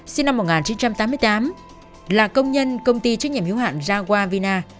sinh năm một nghìn chín trăm tám mươi tám là công nhân công ty trách nhiệm hiếu hạn jawavina